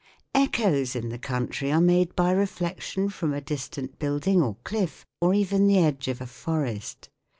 Echoes in the country are made by reflection from a . distant building or cliff or even the edge of a forest.